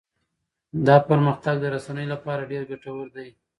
دا پرمختګ د رسنيو لپاره ډېر ګټور دی.